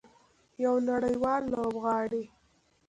یو نړیوال لوبغاړی.